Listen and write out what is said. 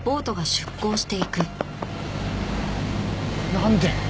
なんで！？